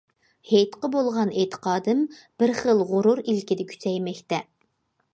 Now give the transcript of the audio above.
ھېيتقا بولغان ئېتىقادىم بىر خىل غۇرۇر ئىلكىدە كۈچەيمەكتە.